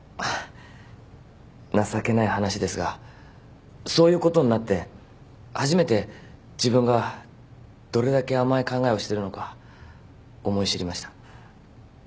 情けない話ですがそういうことになって初めて自分がどれだけ甘い考えをしてるのか思い知りました。